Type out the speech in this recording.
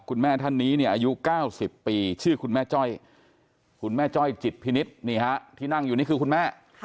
คุณแม่ท่านนี้เนี่ยอายุ๙๐ปีชื่อคุณแม่จ้อยคุณแม่จ้อยจิตพินิษฐ์ที่นั่งอยู่นี่คือคุณแม่